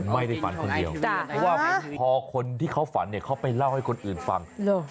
ไม่ได้ฝันคนเดียวเพราะว่าพอคนที่เขาฝันเนี่ยเขาไปเล่าให้คนอื่นฟัง